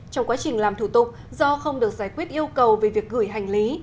trong quá trình làm thủ tục do không được giải quyết yêu cầu về việc gửi hành lý